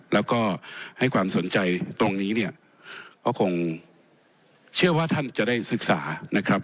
แล้วก็ให้ความสนใจตรงนี้เนี่ยก็คงเชื่อว่าท่านจะได้ศึกษานะครับ